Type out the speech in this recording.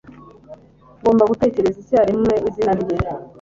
Ngomba gutekereza icyarimwe izina rye.